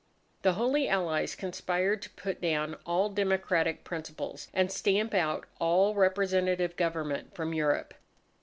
The Holy Allies conspired to put down all democratic principles, and stamp out all representative government from Europe.